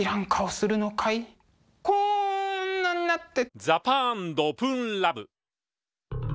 こんなになって。